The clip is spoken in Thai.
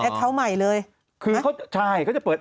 คือคนมันหล่มไปแล้วเนี่ยมันรักไปแล้วเนี่ยนะ